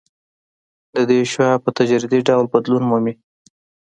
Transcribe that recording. د دې شعاع په تدریجي ډول بدلون مومي